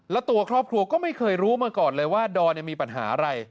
แล้วตัวครอบครัวก็ไม่เคยรู้มาก่อนเลยว่าดอนมีปัญหาอะไร